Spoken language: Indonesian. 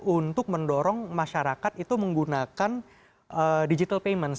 untuk mendorong masyarakat itu menggunakan digital payment